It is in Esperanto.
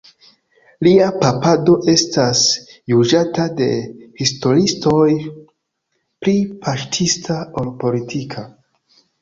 Lia papado estos juĝata de historiistoj pli paŝtista ol politika.